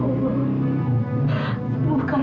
saya ingin mengingatkan